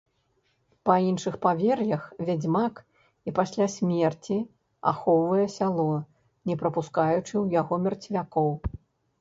Па іншых павер'ях, вядзьмак і пасля смерці ахоўвае сяло, не прапускаючы ў яго мерцвякоў.